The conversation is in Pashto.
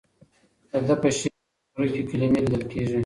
د ده په شعر کې متروکې کلمې لیدل کېږي.